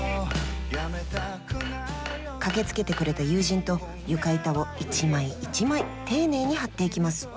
駆けつけてくれた友人と床板を一枚一枚丁寧に貼っていきます。